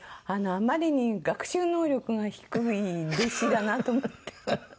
あまりに学習能力が低い弟子だなと思って。